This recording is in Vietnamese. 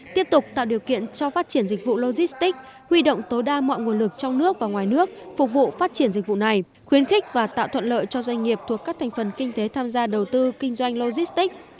tiếp tục tạo điều kiện cho phát triển dịch vụ logistics huy động tối đa mọi nguồn lực trong nước và ngoài nước phục vụ phát triển dịch vụ này khuyến khích và tạo thuận lợi cho doanh nghiệp thuộc các thành phần kinh tế tham gia đầu tư kinh doanh logistics